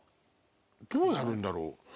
どうやるんだろう？